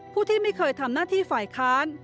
ผู้ที่ไม่เคยทำหน้าที่ฝ่ายค้าน